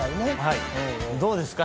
どうですか？